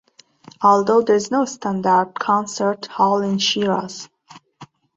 Although there is no standard concert hall in Shiraz.